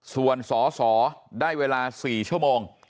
ส่วนสสได้เวลา๔ชม